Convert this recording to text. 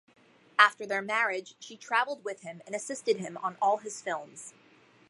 After their marriage she traveled with him and assisted him on all his films.